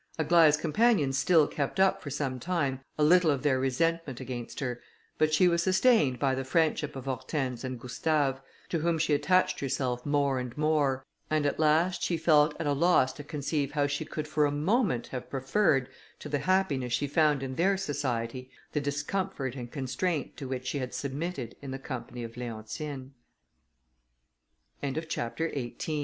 Aglaïa's companions still kept up, for some time, a little of their resentment against her, but she was sustained by the friendship of Hortense and Gustave, to whom she attached herself more and more, and at last she felt at a loss to conceive how she could for a moment have preferred, to the happiness she found in their society, the discomfort and constraint to which she had submitted in the company of Leontine. OH! OH! OH! A TA